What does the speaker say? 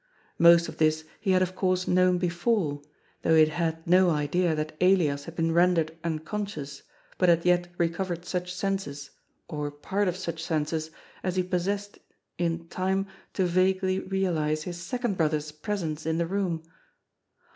Most of this he had of course known before, though he had had no idea that Elias had been rendered unconscious, but had yet recovered such senses, or part of such senses, as he possessed in time to vaguely realize his second brother's presence in the room.